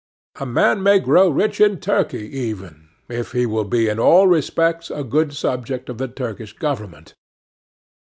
A man may grow rich in Turkey even, if he will be in all respects a good subject of the Turkish government.